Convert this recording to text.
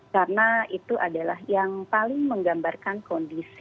karena itu adalah yang paling menggambarkan kondisi